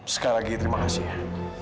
sekarang lagi terima kasih